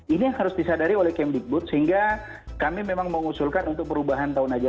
ini yang harus disadari orang orang